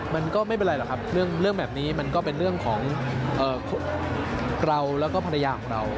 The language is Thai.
มันก็ไม่เป็นไรหรอกครับเรื่องแบบนี้มันก็เป็นเรื่องของเราแล้วก็ภรรยาของเรา